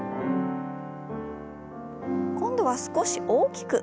今度は少し大きく。